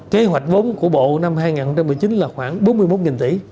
kế hoạch vốn của bộ năm hai nghìn một mươi chín là khoảng bốn mươi một tỷ